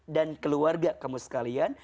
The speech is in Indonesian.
dan keluarga kamu sekalian